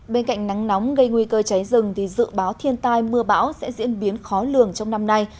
bên cạnh nắng nóng gây nguy cơ cháy rừng thì dự báo thiên tai mưa bão sẽ diễn biến khó lường trong năm nay